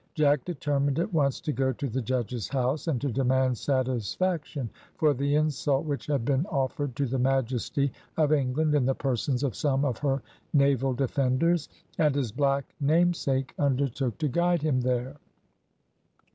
Jack determined at once to go to the judge's house, and to demand satisfaction for the insult which had been offered to the majesty of England in the persons of some of her naval defenders, and his black namesake undertook to guide him there.